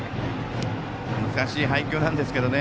難しい配球なんですけどね。